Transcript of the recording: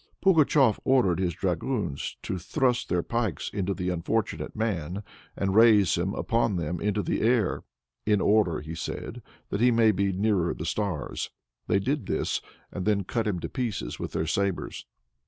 Pugatshef ordered his dragoons to thrust their pikes into the unfortunate man, and raise him upon them into the air, "in order," said he, "that he may be nearer the stars." They did this, and then cut him to pieces with their sabers.